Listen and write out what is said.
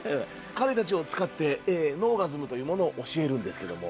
彼たちを使って脳ガズムというものを教えるんですけども。